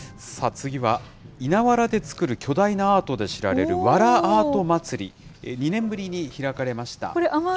次は、稲わらで作る巨大なアートで知られる、わらアートまつり、２年ぶりに開かれました。